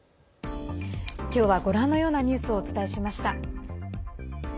今日はご覧のようなニュースをお伝えしました。